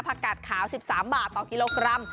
กัดขาว๑๓บาทต่อกิโลกรัม